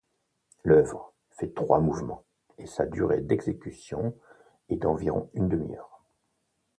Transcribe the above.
L'œuvre fait trois mouvements et sa durée d'exécution est d'environ une demi-heure.